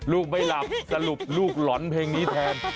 ไม่หลับสรุปลูกหล่อนเพลงนี้แทน